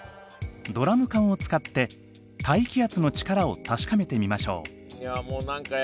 ドラム缶を使って大気圧の力を確かめてみましょう。